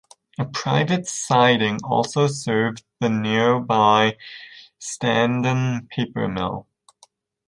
A private siding also served the nearby Standon Paper Mill.